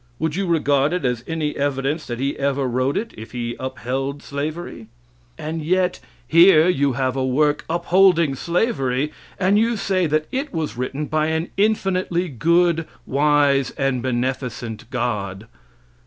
Would you regard it as any evidence that he ever wrote it if he upheld slavery? And yet, here you have a work upholding slavery, and you say that it was written by an infinitely good, wise and beneficent God!